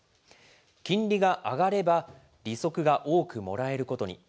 金利が上がれば、利息が多くもらえることに。